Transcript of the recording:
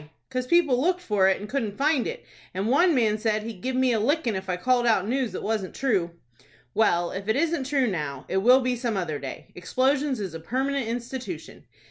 "'Cause people looked for it, and couldn't find it, and one man said he'd give me a lickin' if I called out news that wasn't true." "Well, if it isn't true now, it will be some other day. Explosions is a permanent institution.